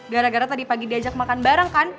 gara gara tadi pagi diajak makan bareng kan